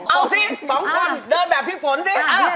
เอาสิสองคนเดินแบบพี่ฝนสิ